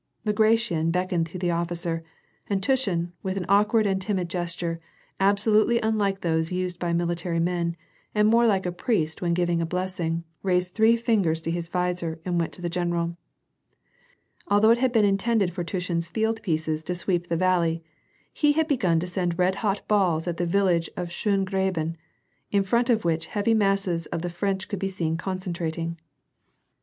Bagration beckoned to the officer, and Tushin, with an awk ward and timid gesture, absolutely unlike those used by mili tary men, and more like a priest when giving a blessing, raised three fingers to his visor and went to the general. Although it had been intended for Tushin's field pieces to sweep the valley, he had begun to send red hot balls at the village of Schongraben, in front of which heavy masses of the French could be seen concentrating. WAR AND PEACE.